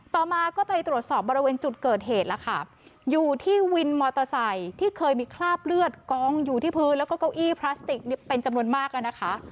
ต่อมาก็ไปตรวจสอบบริเวณจุดเกิดเหตุแล้วค่ะอยู่ที่วินมอเตอร์ไซค์ที่เคยมีคราบเลือดกองอยู่ที่พื้นแล้วก็เก้าอี้พลาสติกเป็นจำนวนมากอ่ะนะคะ